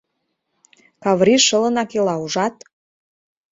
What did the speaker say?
Каврий шылынак ила, ужат?..